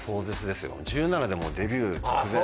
１７でもうデビュー直前。